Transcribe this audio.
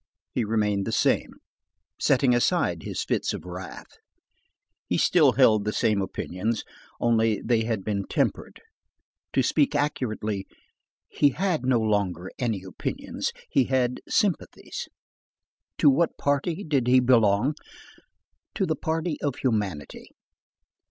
He remained the same, setting aside his fits of wrath. He still held the same opinions. Only, they had been tempered. To speak accurately, he had no longer any opinions, he had sympathies. To what party did he belong? To the party of humanity.